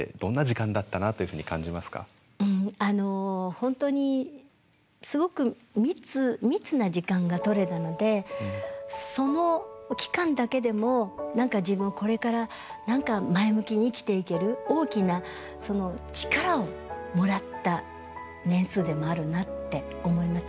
本当にすごく密密な時間が取れたのでその期間だけでも何か自分これから何か前向きに生きていける大きな力をもらった年数でもあるなって思います。